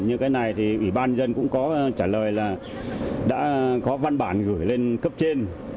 như cái này thì ủy ban dân cũng có trả lời là đã có văn bản gửi lên cấp trên